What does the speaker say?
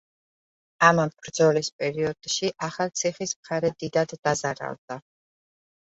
ამ ბრძოლის პერიოდში ახალციხის მხარე დიდად დაზარალდა.